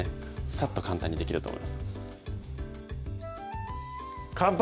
さっと簡単にできると思います乾杯！